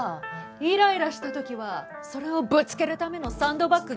イライラした時はそれをぶつけるためのサンドバッグが欲しくなるでしょ。